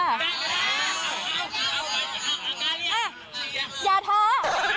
เอ๊ะอย่าท้า